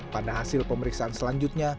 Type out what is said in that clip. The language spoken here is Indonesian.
pada hasil pemeriksaan selanjutnya